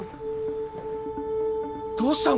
どうした！？